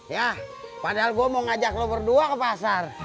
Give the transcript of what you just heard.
yah padahal gua mau ngajak lu berdua ke pasar